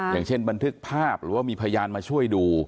อย่างเช่นบันทึกภาพหรือว่ามีพยานมาช่วยดู